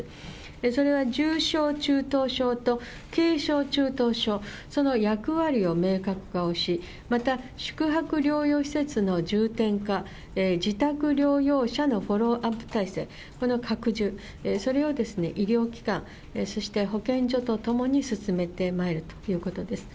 それは重症中等症と軽症中等症、その役割を明確化をし、また宿泊療養施設の重点化、自宅療養者のフォローアップ体制、この拡充、それを医療機関、そして保健所とともに進めてまいるということです。